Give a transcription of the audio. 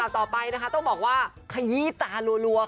ต่อไปนะคะต้องบอกว่าขยี้ตารัวค่ะ